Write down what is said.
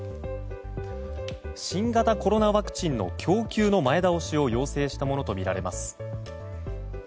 新型コロナワクチンの供給の前倒しを要請したものとみられます。